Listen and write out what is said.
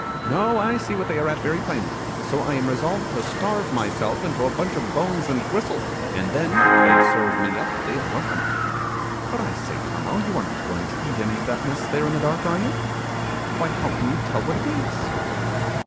No, I see what they are at very plainly, so I am resolved to starve myself into a bunch of bones and gristle, and then, if they serve me up, they are welcome! But I say, Tommo, you are not going to eat any of that mess there, in the dark, are you? Why, how can you tell what it is?